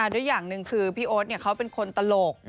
ด้วยอย่างหนึ่งคือพี่โอ๊ตเขาเป็นคนตลก